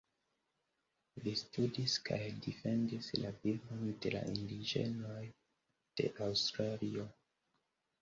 Li studis kaj defendis la vivon de la indiĝenoj de Aŭstralio.